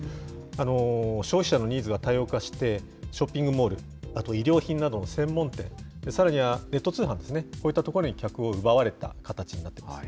消費者のニーズが多様化して、ショッピングモール、衣料品などの専門店、さらにはネット通販ですね、こういった所に客を奪われた形になります。